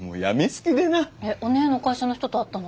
えっおねぇの会社の人と会ったの？